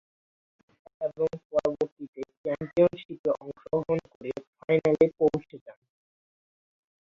এবং পরবর্তীতে চ্যাম্পিয়নশিপে অংশগ্রহণ করে ফাইনালে পৌছে যান।